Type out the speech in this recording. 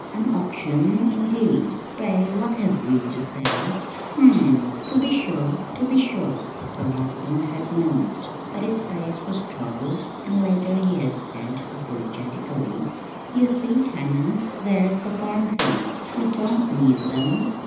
An auction, indeed! Pray, what have we to sell?" "Hm m! To be sure, to be sure," her husband had murmured; but his face was troubled, and later he had said, apologetically: "You see, Hannah, there's the farm things. We don't need them."